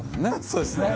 そうですね。